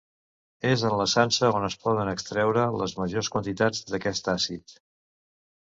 És en la sansa on es poden extreure les majors quantitats d'aquest àcid.